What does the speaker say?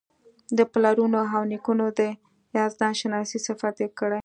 د پلرونو او نیکونو د یزدان شناسۍ صفت یې کړی.